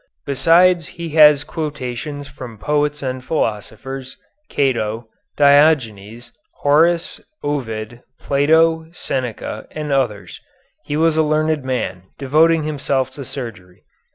Besides he has quotations from the poets and philosophers, Cato, Diogenes, Horace, Ovid, Plato, Seneca, and others. He was a learned man, devoting himself to surgery.